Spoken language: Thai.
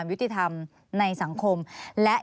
มีความรู้สึกว่ามีความรู้สึกว่า